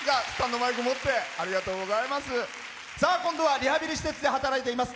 今度はリハビリ施設で働いています。